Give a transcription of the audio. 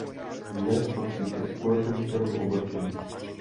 Dnes patří ke společenskému oblečení.